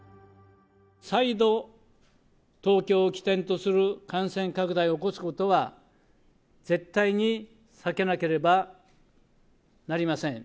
再度、東京を起点とする感染拡大を起こすことは絶対に避けなければなりません。